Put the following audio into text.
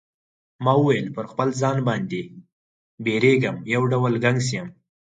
ما وویل پر خپل ځان باندی بیریږم یو ډول ګنګس یم.